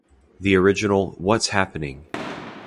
The original What's Happening!!